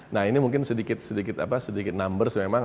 nah ini mungkin sedikit sedikit numbers memang